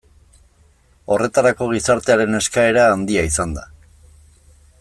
Horretarako gizartearen eskaera handia izan da.